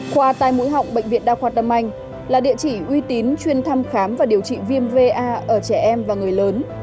khoa tai mũi họng bệnh viện đa khoa tâm anh là địa chỉ uy tín chuyên thăm khám và điều trị viêm ga ở trẻ em và người lớn